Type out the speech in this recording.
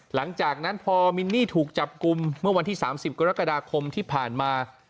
หลังจากนั้นพอมินนี่ถูกจับกลุ่มเมื่อวันที่๓๐กรกฎาคมที่ผ่านมา